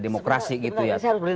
demokrasi gitu ya